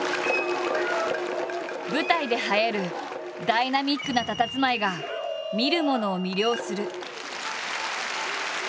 舞台で映えるダイナミックなたたずまいが見る者を魅了する。